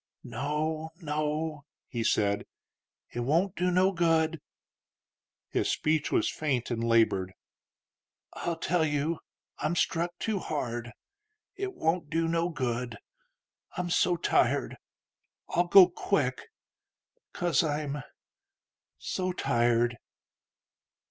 "No, no," he said; "it won't do no good." His speech was faint and labored. "I'll tell you: I'm struck too hard. It won't do no good. I'm so tired.... I'll go quick ... 'cause I'm ... so tired."